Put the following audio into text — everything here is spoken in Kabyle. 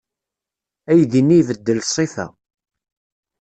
Aydi-nni ibeddel ṣṣifa.